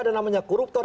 dan namanya koruptor